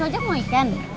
ke ojak mau ikan